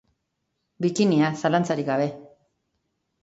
Bikinia, zalantzarik gabe.